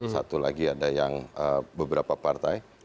satu lagi ada yang beberapa partai